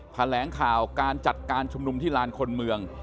แถลงข่าวการจัดการชุมนุมที่ลานคนเมือง